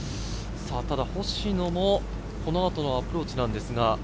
ただ星野もこの後のアプローチですが。